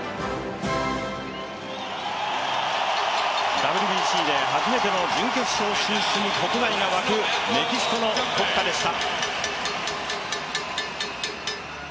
ＷＢＣで初めての準決勝進出に国内が沸くメキシコの国歌でした。